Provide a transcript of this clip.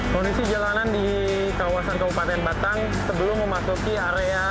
kondisi jalanan di kawasan kabupaten batang sebelum memasuki area